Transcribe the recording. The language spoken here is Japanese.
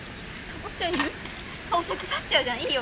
腐っちゃうじゃんいいよ